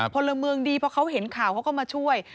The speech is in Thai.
พลเมืองดีพอเขาเห็นข่าวเขาก็มาช่วย